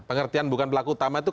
pengertian bukan pelaku utama itu